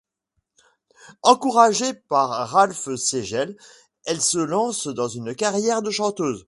Encouragé par Ralph Siegel, elle se lance dans une carrière de chanteuse.